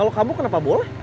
kalau kamu kenapa boleh